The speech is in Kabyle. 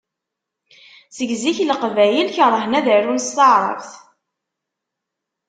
Seg zik Leqbayel kerhen ad arun s taɛrabt.